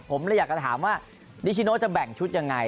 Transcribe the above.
ผมเลยอยากจะถามว่านิชิโนจะแบ่งชุดยังไง